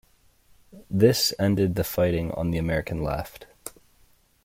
This ended the fighting on the American left.